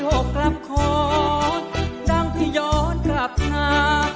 โอ้กลับขอดดังที่ย้อนกลับหน้า